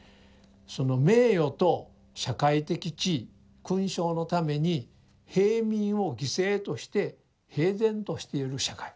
その名誉と社会的地位勲章のために平民を犠牲として平然としている社会。